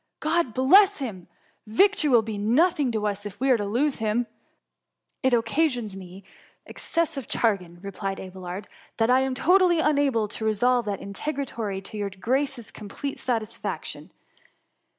God bless him ! victory will be nothing to us, if we are to lose him.^ ^^ It occasions me excessive chagrin/' replied Abelard, ^^ that I am totally unable to resolve that interrogatory to your grace^s complete sa 56 THE MUMMY. tisfaction.